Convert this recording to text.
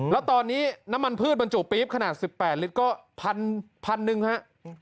แล้วตอนนี้น้ำมันพืชบรรจุปี๊บขนาด๑๘ลิตรก็พันหนึ่งฮะ